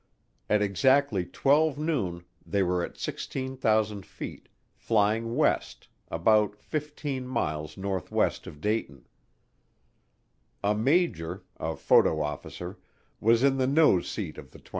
At exactly twelve noon they were at 16,000 feet, flying west, about 15 miles northwest of Dayton. A major, a photo officer, was in the nose seat of the '29.